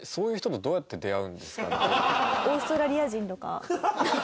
オーストラリア人とか。